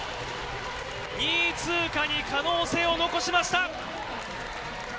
２位通過に可能性を残しました。